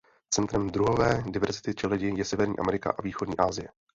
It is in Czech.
Centrem druhové diverzity čeledi je Severní Amerika a východní Asie.